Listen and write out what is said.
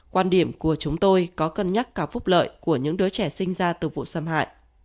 quan điểm của chúng tôi có cân nhắc cả phúc lợi của những đứa trẻ sinh ra từ vụ xâm hại